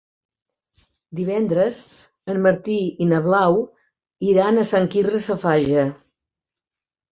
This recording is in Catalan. Divendres en Martí i na Blau iran a Sant Quirze Safaja.